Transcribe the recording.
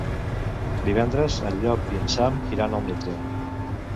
Divendres en Llop i en Sam iran al metge.